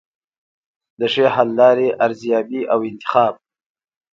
د ښې حل لارې ارزیابي او انتخاب.